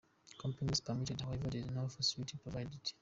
Camping is permitted however there are no facilities provided.